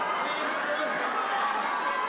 สวัสดีครับ